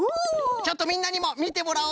ちょっとみんなにもみてもらおうかのう。